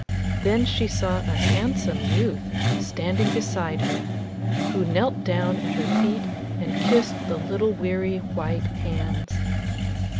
Then she saw a handsome youth standing beside her; who knelt down at her feet and kissed the little weary white hands.